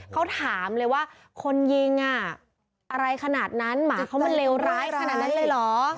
เขาถามเลยว่าคนยิงอ่ะอะไรขนาดนั้นหมาเขามันเลวร้ายขนาดนั้นเลยเหรอ